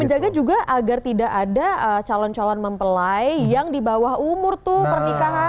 menjaga juga agar tidak ada calon calon mempelai yang di bawah umur tuh pernikahannya